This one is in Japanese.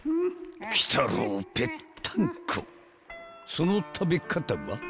［その食べ方は］